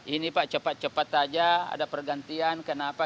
ini pak cepat cepat saja ada pergantian kenapa